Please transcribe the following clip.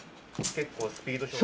結構スピード勝負。